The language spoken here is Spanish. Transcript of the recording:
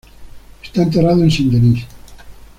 Está enterrado en Saint-Denis.